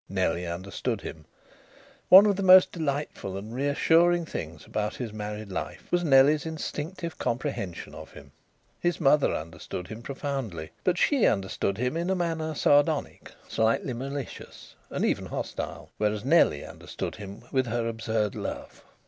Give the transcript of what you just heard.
Nellie understood him. One of the most delightful and reassuring things about his married life was Nellie's instinctive comprehension of him. His mother understood him profoundly. But she understood him in a manner sardonic, slightly malicious and even hostile, whereas Nellie understood him with her absurd love.